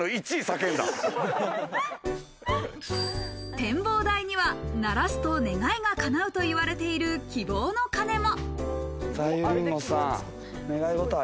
展望台には鳴らすと願いが叶うと言われている輝望の鐘も。